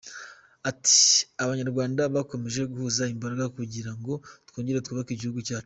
Ati “Abanyarwanda bakomeje guhuza imbaraga kugira ngo twongere twubake igihugu cyacu.